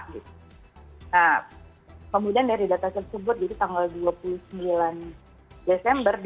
nah kemudian dari data tersebut jadi tanggal dua puluh sembilan desember dua ribu dua puluh